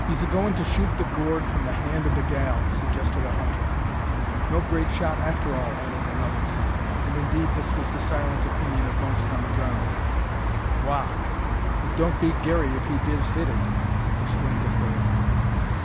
"He's a goin' to shoot the gourd from the hand of the gal," suggested a hunter. "No great shot, after all," added another; and indeed this was the silent opinion of most on the ground. "Wagh! it don't beat Garey if he diz hit it," exclaimed a third.